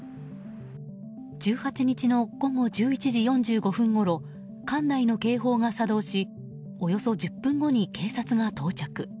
１８日の午後１１時４５分ごろ館内の警報が作動しおよそ１０分後に警察が到着。